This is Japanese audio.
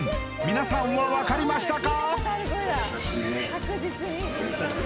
皆さんは分かりましたか？